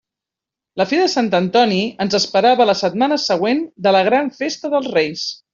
La fira de Sant Antoni ens esperava la setmana següent de la gran festa dels Reis.